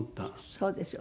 そうです。